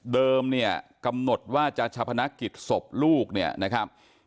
เนี่ยกำหนดว่าจะชะพนักกิจศพลูกเนี่ยนะครับ